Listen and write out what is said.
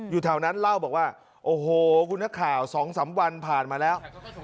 อยู่แถวนั้นเล่าบอกว่าโอ้โหคุณนักข่าว๒๓วันผ่านมาแล้ว